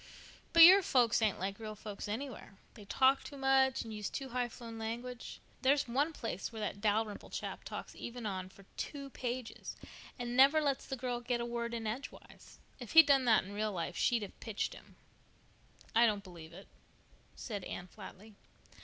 "But your folks ain't like real folks anywhere. They talk too much and use too high flown language. There's one place where that Dalrymple chap talks even on for two pages, and never lets the girl get a word in edgewise. If he'd done that in real life she'd have pitched him." "I don't believe it," said Anne flatly.